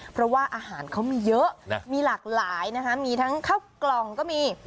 เพราะว่าอาหารเขามีเยอะมีหลากหลายนะคะมีทั้งข้าวกล่องก็มี